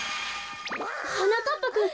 はなかっぱくん。